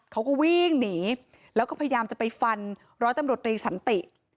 เขาก็วิ่งหนีแล้วก็พยายามจะไปฟันร้อยตำรวจรีสันติ